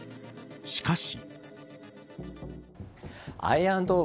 しかし。